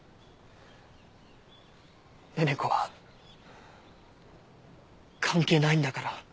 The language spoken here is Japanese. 寧々子は関係ないんだから。